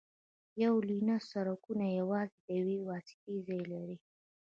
یو لینه سړکونه یوازې د یوې واسطې ځای لري